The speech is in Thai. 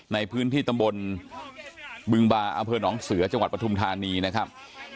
ในพื้นที่ตำบลบึงบาอำเภอหนองเสือจังหวัดปฐุมธานีนะครับ